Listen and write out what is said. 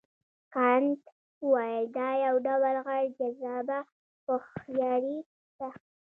کانت وویل دا یو ډول غیر جذابه هوښیاري ده.